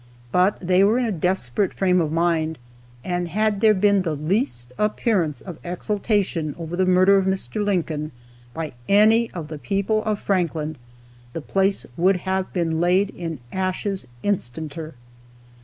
But they were in a desperate frame of mind, and had there been the least appearance of exultation over the murder of Mr. Lincoln by any of the people of Franklin, the place would have been laid in ashes instanter.